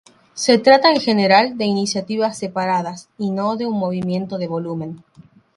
Se trata, en general, de iniciativas separadas, y no de un movimiento de volumen.